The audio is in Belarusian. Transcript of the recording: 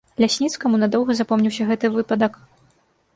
Лясніцкаму надоўга запомніўся гэты выпадак.